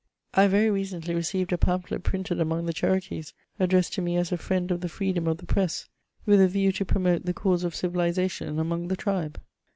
I have very recently received a pamphlet printed among the Cherokees, addressea to me as a friend of the freedom of the presSf with a view to promote the cause of civilisation among the tribe.